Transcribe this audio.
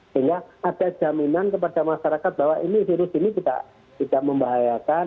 sehingga ada jaminan kepada masyarakat bahwa virus ini tidak membahayakan